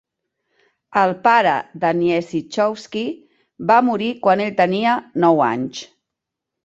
El pare de Niezychowski va morir quan ell tenia nou anys.